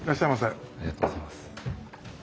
ありがとうございます。